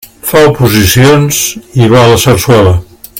Fa oposicions i va a la sarsuela.